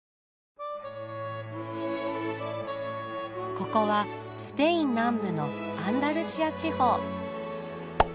ここはスペイン南部のアンダルシア地方。